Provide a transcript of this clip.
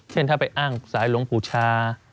เช่นถ้าไปอ้างสายหลวงปู่ชา